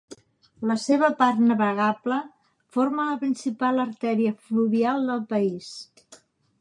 La seva part navegable forma la principal artèria fluvial del país.